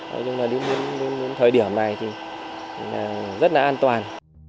nói chung là đến thời điểm này thì rất là an toàn